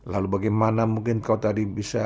lalu bagaimana mungkin kau tadi bisa